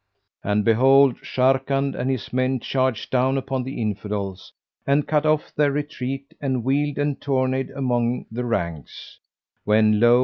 And behold, Sharrkan and his men charged down upon the Infidels and cut off their retreat and wheeled and tourneyed among the ranks; when lo!